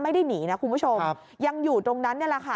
ไม่ได้หนีนะคุณผู้ชมยังอยู่ตรงนั้นนี่แหละค่ะ